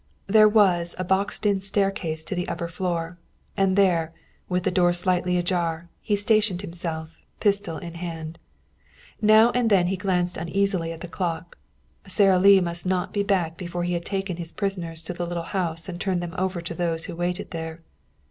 There was a boxed in staircase to the upper floor, and there, with the door slightly ajar, he stationed himself, pistol in hand. Now and then he glanced uneasily at the clock. Sara Lee must not be back before he had taken his prisoners to the little house and turned them over to those who waited there.